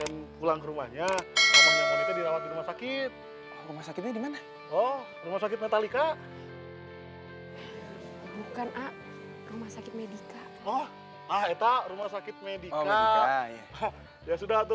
astaghfirullahaladzim jangan berantem aduh